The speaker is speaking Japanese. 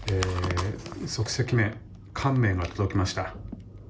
即席麺乾麺が届きました。